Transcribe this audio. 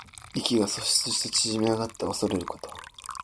意気が阻喪して縮み上がっておそれること。